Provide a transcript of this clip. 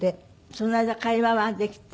その間会話はできた？